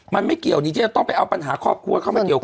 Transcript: มันไม่เกี่ยวนี้ที่จะต้องไปเอาปัญหาครอบครัวเข้ามาเกี่ยวข้อง